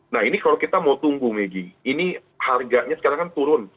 nah ini kalau kita mau tunggu megi ini harganya sekarang kan turun